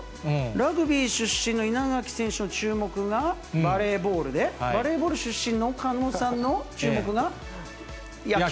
ラグビー出身の稲垣選手の注目がバレーボールで、バレーボール出身の狩野さんの注目が野球。